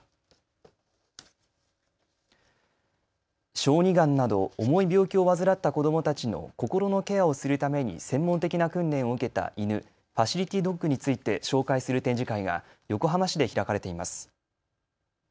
小児がんなど重い病気を患った子どもたちの心のケアをするために専門的な訓練を受けた犬、ファシリティドッグについて紹介する展示会が横浜市で開かれています。